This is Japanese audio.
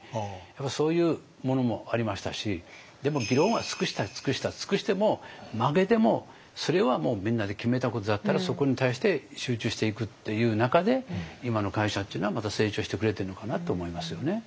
やっぱりそういうものもありましたしでも議論は尽くした尽くした尽くしても負けでもそれはもうみんなで決めたことだったらそこに対して集中していくっていう中で今の会社っていうのはまた成長してくれてるのかなって思いますよね。